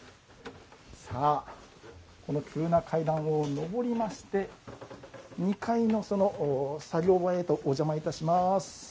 さあこの急な階段を上りまして２階の作業場へとお邪魔いたします。